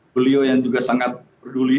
beliau yang juga sangat peduli